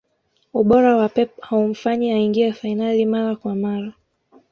ubora wa pep haumfanya aingie fainali mara kwa mara